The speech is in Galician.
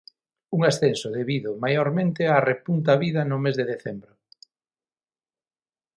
Un ascenso debido, maiormente, á repunta habida no mes de decembro.